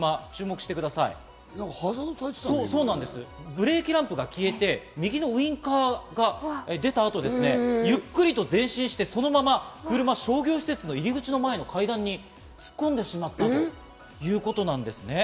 ブレーキランプが消えて右のウインカーが出たあとですね、ゆっくりと前進して、そのまま車は商業施設の入口の前の階段に突っ込んでしまったんです。